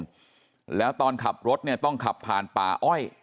ทำให้สัมภาษณ์อะไรต่างนานไปออกรายการเยอะแยะไปหมด